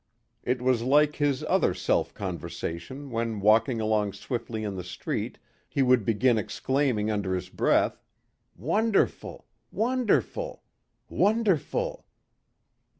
It was like his other self conversation when walking along swiftly in the street he would begin exclaiming under his breath, "Wonderful ... wonderful ... wonderful...."